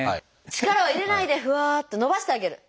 力を入れないでふわっと伸ばしてあげる。